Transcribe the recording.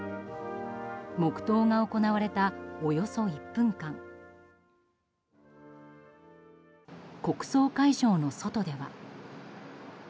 黙祷が行われた、およそ１分間国葬会場の外では。